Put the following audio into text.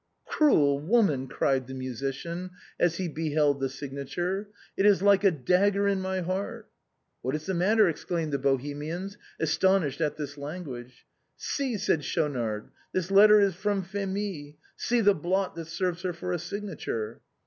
" Cruel woman !" cried the musician, as he beheld the signature ;" it is like a dagger in my heart." " What is the matter !" exclaimed the Bohemians, aston ished at this language. " See," said Schaunard, " this letter is from Phémie ; see the blot that serves her for a signature."